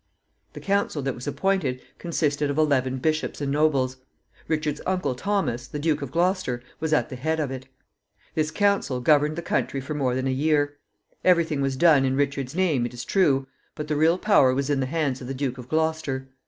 The council that was appointed consisted of eleven bishops and nobles. Richard's uncle Thomas, the Duke of Gloucester, was at the head of it. This council governed the country for more than a year. Every thing was done in Richard's name, it is true, but the real power was in the hands of the Duke of Gloucester.